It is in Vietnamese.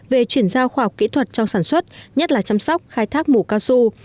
về chuyển giao khoa học kỹ thuật trong sản xuất nhất là chăm sóc khai thác mù cao su